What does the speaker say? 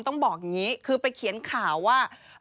ต้องบอกอย่างนี้คือไปเขียนข่าวว่า